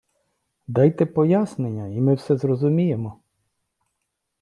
Дайте пояснення і ми все зрозуміємо!